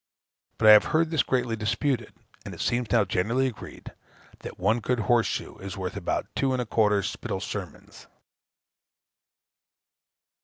But I have heard this greatly disputed; and it seems now generally agreed, that one good horse shoe is worth about 2 1/4 Spital sermons.